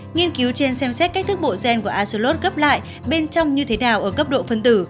nghiên cứu trên xem xét cách thức bộ gen của asollot gấp lại bên trong như thế nào ở cấp độ phân tử